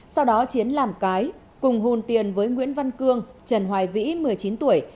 sau đó chiến làm cái cùng hồn tiền với nguyễn văn cương trần hoài vĩ một mươi chín tuổi